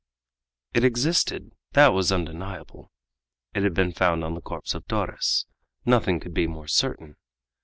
It existed, that was undeniable; it had been found on the corpse of Torres, nothing could be more certain.